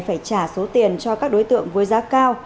phải trả số tiền cho các đối tượng với giá cao